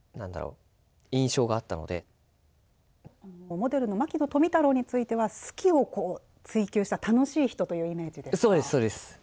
モデルの牧野富太郎については、好きを追求した楽しい人というイメージですか？